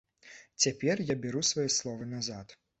Цяпер я бяру свае словы назад.